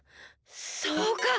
そうか！